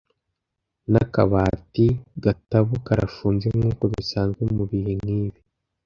n'akabati gatabo karafunze, nkuko bisanzwe mubihe nkibi.